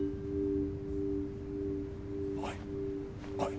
おいおい！